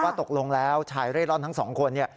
ว่าตกลงแล้วชายเร่รอนทั้งสองคน